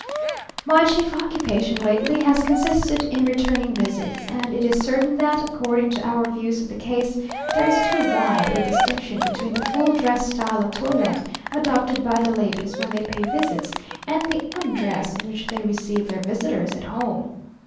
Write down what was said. My chief occupation, lately, has consisted in returning visits; and it is certain that, according to our views of the case, there is too wide a distinction between the full dress style of toilet adopted by the ladies when they pay visits, and the undress in which they receive their visitors at home.